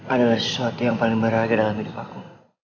adalah sesuatu yang paling berharga dalam hidup aku